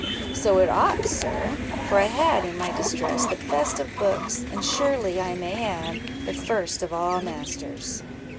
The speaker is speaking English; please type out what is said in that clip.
"So it ought, sir; for I had, in my distress, the best of books, and surely, I may add, the first of all Masters."